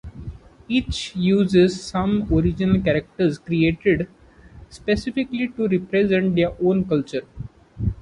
Each uses some original characters, created specifically to represent their own culture.